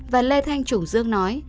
và lê thanh trùng dương nói